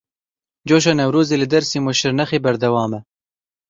Coşa Newrozê li Dêrsim û Şirnexê berdewam e.